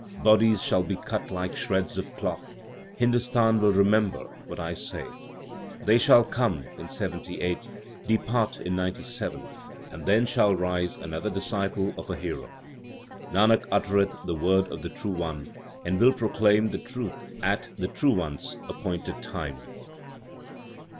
Bodies shall be cut like shreds of cloth ; Hindustan will remember what I say. They shall come in 78, depart in 97, and then shall rise another disciple of a hero. 1 Nanak uttereth the word of the True One, and will pro claim the truth at the True One s appointed time.